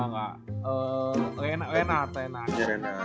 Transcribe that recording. enggak enggak renat renat